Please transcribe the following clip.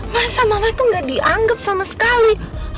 masa mama tuh gak dianggap sama sekali